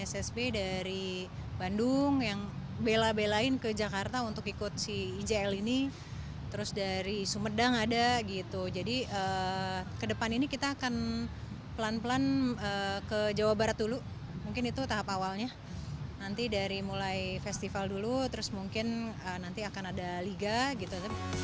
nanti dari mulai festival dulu terus mungkin nanti akan ada liga gitu